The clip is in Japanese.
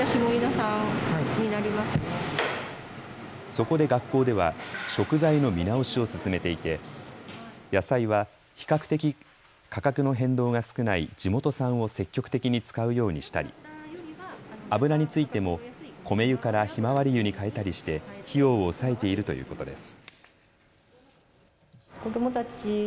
そこで学校では食材の見直しを進めていて野菜は比較的、価格の変動が少ない地元産を積極的に使うようにしたり油についても米油からひまわり油に替えたりして費用を抑えているということです。